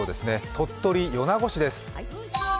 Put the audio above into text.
鳥取・米子市です。